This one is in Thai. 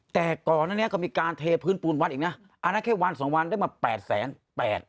แต่ก่อนอันนี้ก็มีการเทพื้นปูนวัดอีกนะอันนั้นแค่วันสองวันได้มาแปดแสนแปด